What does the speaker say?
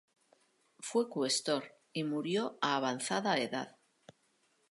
Fue cuestor y murió a avanzada edad.